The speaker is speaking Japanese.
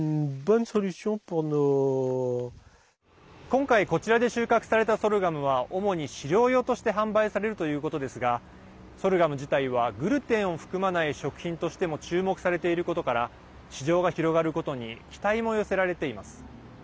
今回、こちらで収穫されたソルガムは主に飼料用として販売されるということですがソルガム自体はグルテンを含まない食品としても注目されていることから市場が広がることに期待も寄せられています。